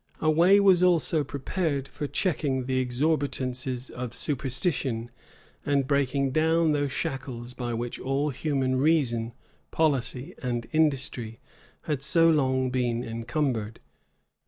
A way was also prepared for checking the exorbitances of superstition, and breaking those shackles by which all human reason, policy, and industry had so long been encumbered.